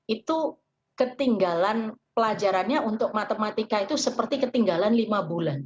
itu ketinggalan pelajarannya untuk matematika itu seperti ketinggalan lima bulan